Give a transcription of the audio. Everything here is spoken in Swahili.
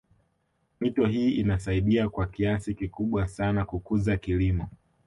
Mito hii inasaidia kwa kiasi kikubwa sana kukuza kilimo